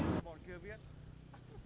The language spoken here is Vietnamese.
bọn kia viết